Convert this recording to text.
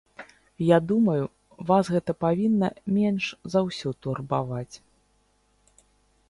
Я думаю, вас гэта павінна менш за ўсё турбаваць.